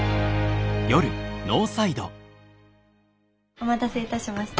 お待たせいたしました。